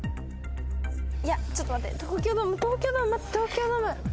いやちょっと待って東京ドーム東京ドーム。